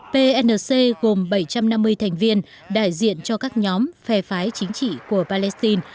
pnc gồm bảy trăm năm mươi thành viên đại diện cho các nhóm phè phái chính trị của palestine